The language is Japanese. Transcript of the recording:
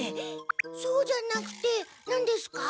「そうじゃなくて」なんですか？